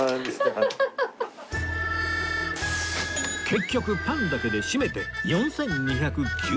結局パンだけでしめて４２９０円